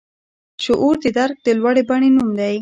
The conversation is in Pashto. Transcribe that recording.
شعور د درک د لوړې بڼې نوم دی.